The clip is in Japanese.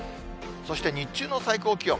そして日中の最高気温。